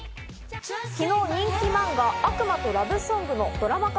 昨日人気漫画『悪魔とラブソング』のドラマ化